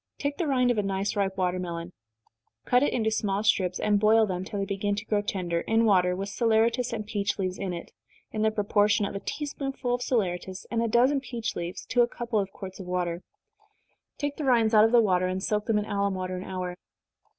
_ Take the rind of a nice ripe watermelon cut it into small strips, and boil them, till they begin to grow tender, in water, with saleratus and peach leaves in it, in the proportion of a tea spoonful of saleratus and a dozen peach leaves to a couple of quarts of water. Take the rinds out of the water, and soak them in alum water an hour.